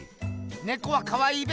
ネコはかわいいべ。